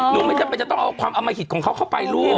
ไม่จำเป็นจะต้องเอาความอมหิตของเขาเข้าไปลูก